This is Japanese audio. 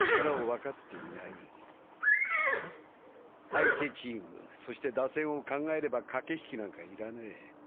相手チームそして打線を考えればかけひきなんかいらねえ。